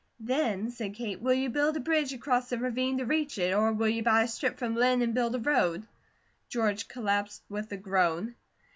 "Then," said Kate, "will you build a bridge across the ravine to reach it, or will you buy a strip from Linn and build a road?" George collapsed with a groan.